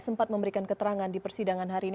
sempat memberikan keterangan di persidangan hari ini